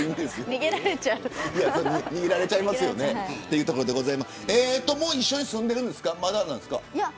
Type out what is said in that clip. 逃げられちゃいますよねというところですがもう一緒に住んでいるんですかまだですか。